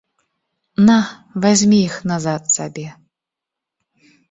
На, вазьмі іх назад сабе.